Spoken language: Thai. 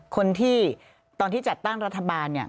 คนที่ตอนที่จัดตั้งรัฐบาลเนี่ย